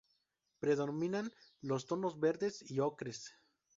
Predominan los tonos verdes y ocres.